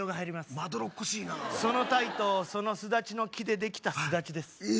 まどろっこしいなそのタイとそのスダチの木でできたスダチですええ